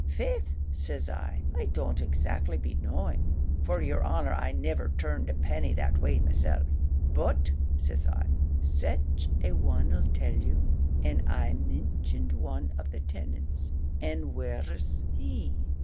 'Faith,' says I, 'I don't exactly be knowing;' for, yer honour, I niver turned a penny that way myself 'but,' says I, 'sich a one'll tell you,' and I mintioned one of the tinants; 'and where's he?'